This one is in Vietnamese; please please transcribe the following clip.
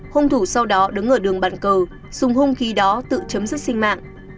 hung thủ sau đó đứng ở đường bàn cờ dùng hung khí đó tự chấm dứt sinh mạng